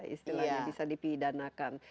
istilahnya bisa dipidanakan